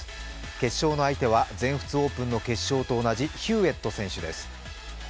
決勝の相手は全仏オープンの決勝と同じヒューエット選手です。